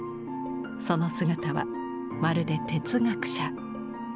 その姿はまるで哲学者。